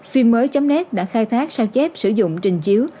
phim mới net đã khai thác sao chép sử dụng trình chiếu